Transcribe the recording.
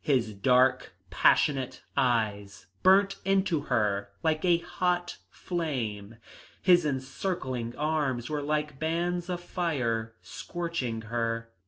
His dark, passionate eyes burnt into her like a hot flame. His encircling arms were like bands of fire, scorching her.